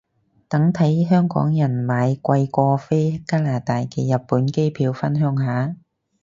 等睇香港人買貴過飛加拿大嘅日本機票返鄉下